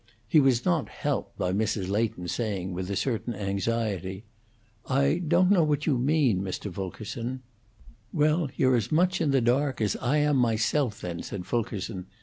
He was not helped by Mrs. Leighton's saying, with a certain anxiety, "I don't know what you mean, Mr. Fulkerson." "Well, you're as much in the dark as I am myself, then," said Fulkerson.